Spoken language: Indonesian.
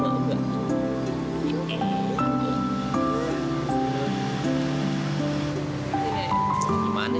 sayang denga hari pergi tradi dirigir mereka sendiri